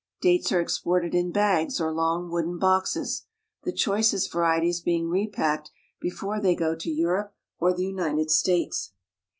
." Dates are exported in bags or mg wooden boxes, the choicest varieties being repacked ;fore they go to Europe or the United States.